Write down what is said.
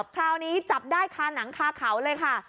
คราวนี้จับได้คาหนังคาเขาเลยค่ะ